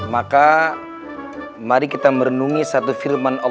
kok kayak peta harta karun di film film ya